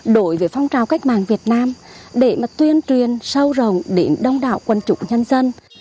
đổi về phong trào cách mạng việt nam để mà tuyên truyền sâu rồng đến đông đảo quân chủng nhân dân